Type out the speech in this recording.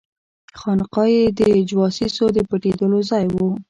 خانقاه یې د جواسیسو د پټېدلو ځای وو.